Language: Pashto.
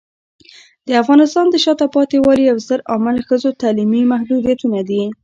د افغانستان د شاته پاتې والي یو ستر عامل ښځو تعلیمي محدودیتونه دي.